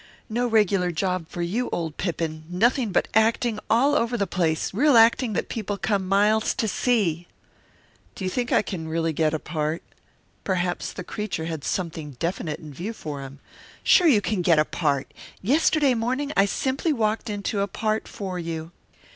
"No regular job for you, old Pippin nothing but acting all over the place real acting that people come miles to see." "Do you think I can really get a part?" Perhaps the creature had something definite in view for him. "Sure you can get a part! Yesterday morning I simply walked into a part for you.